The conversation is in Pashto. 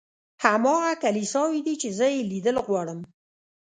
هماغه کلیساوې دي چې زه یې لیدل غواړم.